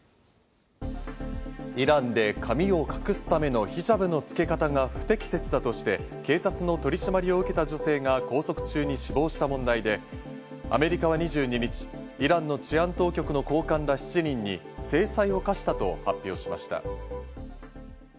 イランで髪を隠すためのヒジャブのつけ方が不適切だとして、警察の取り締まりを受けた女性が拘束中に死亡した問題で、アメリカは２２日、イランの治安当局の高官ら７人に制裁を科したと発表しました。